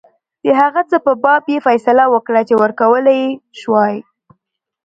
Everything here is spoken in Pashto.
د هغه څه په باب یې فیصله وکړه چې ورکولای یې شوای.